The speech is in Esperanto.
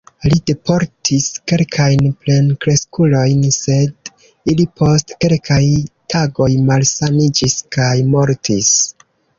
Li deportis kelkajn plenkreskulojn, sed ili post kelkaj tagoj malsaniĝis kaj mortis.